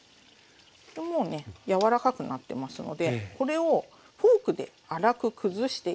これもうね柔らかくなってますのでこれをフォークで粗く崩していきます。